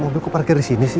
mobil ku parkir disini sih